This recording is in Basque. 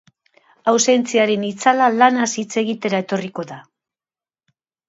Ausentziaren itzala lanaz hitz egitera etorriko da.